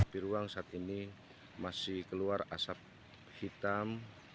di ruang saat ini masih keluar asap hitam